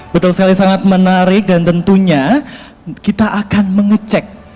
betul sekali sangat menarik dan tentunya kita akan mengecek